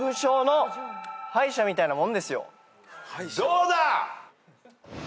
どうだ？